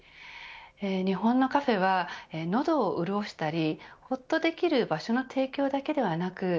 日本のカフェは、喉を潤したりほっとできる場所の提供だけではなく